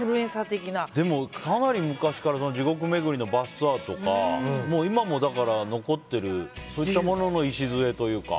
でもかなり昔からの地獄めぐりのバスツアーとか残っているそういったものの礎というか。